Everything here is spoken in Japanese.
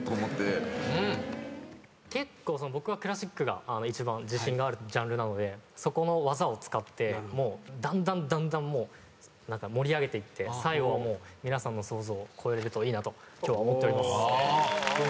僕はクラシックが一番自信があるジャンルなのでそこの技を使ってだんだんだんだん盛り上げていって最後はもう皆さんの想像を超えれるといいなと今日は思っております。